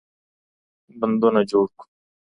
بندونه جوړ کړو.